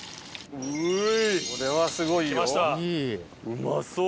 うまそう！